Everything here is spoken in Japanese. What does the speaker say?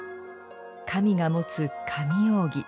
神が持つ「神扇」。